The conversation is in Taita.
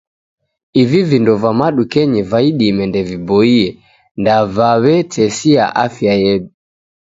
Ivi vindo va madukenyi va idime ndeviboie, ndevavetesia afya redu